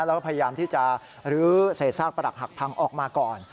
แล้วก็พยายามที่จะลื้อเศษซากปรักหักพังออกมาก่อน